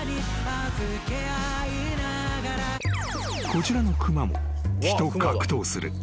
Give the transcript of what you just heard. ［こちらの熊も木と格闘する］